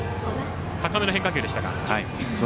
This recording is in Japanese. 高めの変化球でしたか。